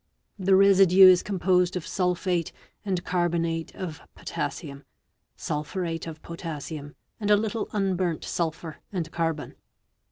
The residue is composed of sulphate and carbonate of potassium, sulphurate of potassium, and a little unburnt sulphur and carbon.